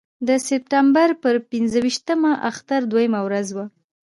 د سپټمبر پر پنځه ویشتمه اختر دویمه ورځ وه.